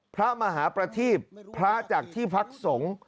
พระมหาประทีปพระจักษ์ที่พรรคสงศ์